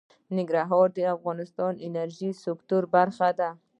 ننګرهار د افغانستان د انرژۍ سکتور برخه ده.